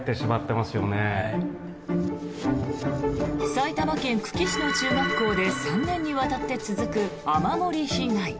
埼玉県久喜市の中学校で３年にわたって続く雨漏り被害。